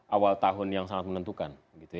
awal tahun yang sangat menentukan